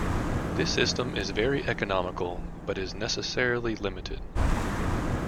This system is very economical, but is necessarily limited.